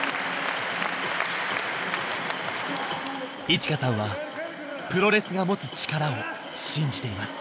衣千華さんはプロレスが持つ力を信じています。